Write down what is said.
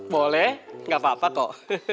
boleh nggak apa apa kok